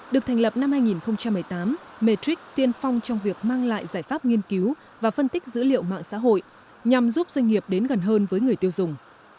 được thành lập năm hai nghìn một mươi tám matrix tiên phong trong việc mang lại giải pháp nghiên cứu và phân tích dữ liệu mạng xã hội nhằm giúp doanh nghiệp đến gần hơn với người tiêu dùng